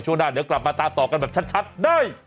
หน้าเดี๋ยวกลับมาตามต่อกันแบบชัดได้